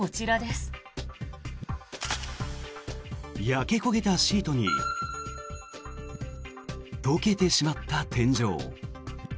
焼け焦げたシートに溶けてしまった天井。